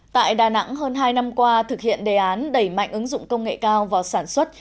tại đà nẵng hơn hai năm qua thực hiện đề án đẩy mạnh ứng dụng công nghệ cao vào sản xuất